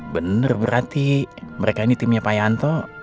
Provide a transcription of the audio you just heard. bener berarti mereka ini timnya pak yanto